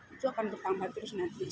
itu akan bertambah terus nanti